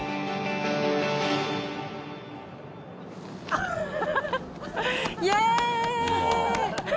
アハハイエーイ！